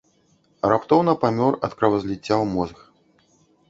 Раптоўна памёр ад кровазліцця ў мозг.